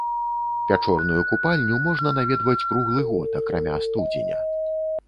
Пячорную купальню можна наведваць круглы год, акрамя студзеня.